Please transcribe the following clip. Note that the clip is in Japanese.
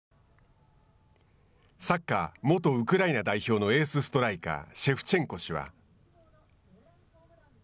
サッカー、元ウクライナ代表のエースストライカーシェフチェンコ氏は。